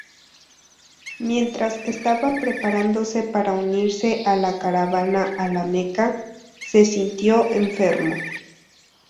Mientras estaba preparándose para unirse a la caravana a La Meca, se sintió enfermo.